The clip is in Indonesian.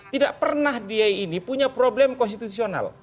tidak pernah dia ini punya problem konstitusional